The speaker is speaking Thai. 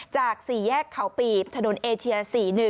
จาก๔แยกเขาปีบถนนเอเชีย๔๑